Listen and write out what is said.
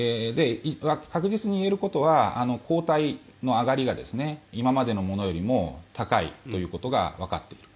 確実に言えることは抗体の上がりが今までのものよりも高いということがわかっている。